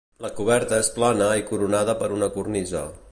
La coberta és plana i coronada per una cornisa.